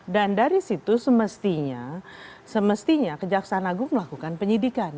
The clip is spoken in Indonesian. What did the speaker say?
dan dari situ semestinya kejaksaan agung melakukan penyelidikan